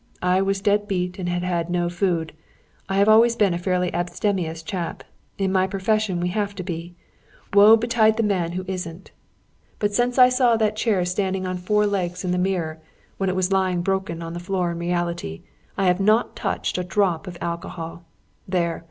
I was dead beat, and had had no food. I have always been a fairly abstemious chap; in my profession we have to be: woe betide the man who isn't. But since I saw that chair standing on its four legs in the mirror, when it was lying broken on the floor in reality, I have not touched a drop of alcohol. There!